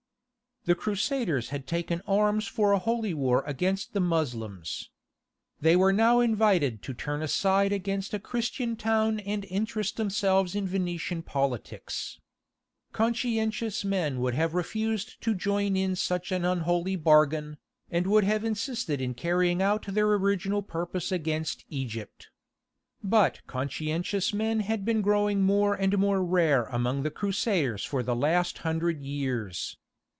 The Crusaders had taken arms for a holy war against the Moslems. They were now invited to turn aside against a Christian town and interest themselves in Venetian politics. Conscientious men would have refused to join in such an unholy bargain, and would have insisted in carrying out their original purpose against Egypt. But conscientious men had been growing more and more rare among the Crusaders for the last hundred years.